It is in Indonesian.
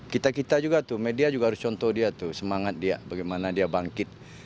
kita kita juga tuh media juga harus contoh dia tuh semangat dia bagaimana dia bangkit